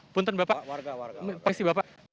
bungten bapak maaf sih bapak